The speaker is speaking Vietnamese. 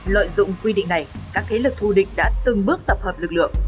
lợi dụng quy định này các kế lực thu định đã từng bước tập hợp lực lượng